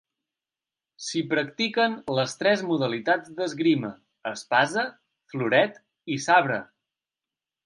S'hi practiquen les tres modalitats d'esgrima: espasa, floret i sabre.